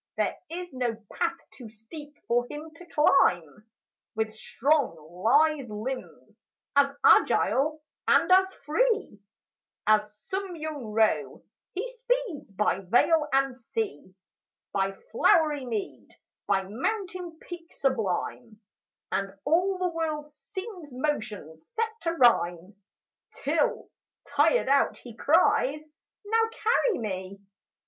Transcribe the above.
There is no path too steep for him to climb. With strong, lithe limbs, as agile and as free, As some young roe, he speeds by vale and sea, By flowery mead, by mountain peak sublime, And all the world seems motion set to rhyme, Till, tired out, he cries, "Now carry me!"